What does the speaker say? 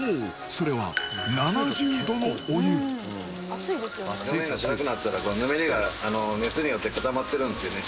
それは表面が白くなったらこのぬめりが熱によって固まってるんですよね。